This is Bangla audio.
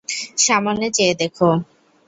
সামনে চেয়ে দেখো।